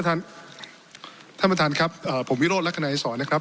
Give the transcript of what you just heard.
ท่านประธานครับผมวิโรธลักษณะอีสอนนะครับ